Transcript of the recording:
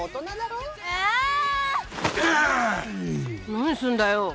何すんだよ？